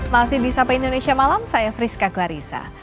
masih di sapa indonesia malam saya friska klarissa